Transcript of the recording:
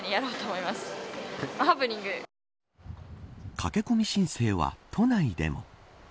駆け込み申請は都内でも。